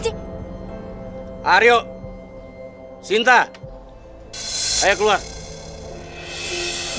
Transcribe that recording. jawab dinda naungulan